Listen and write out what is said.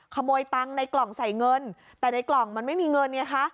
ขโมยตังค์ในกล่องใส่เงินแต่ในกล่องมันไม่มีเงินไงคะ